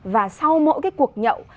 và sau mỗi cái cuộc nhậu